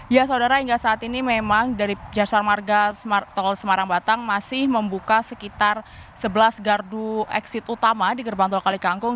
ya saudara hingga saat ini memang dari jasa marga tol semarang batang masih membuka sekitar sebelas gardu eksit utama di gerbang tol kalikangkung